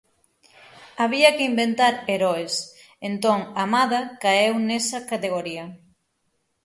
Había que inventar heroes, entón Amada caeu nesa categoría.